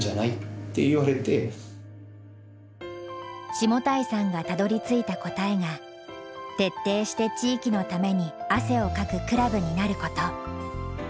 下平さんがたどりついた答えが徹底して地域のために汗をかくクラブになること。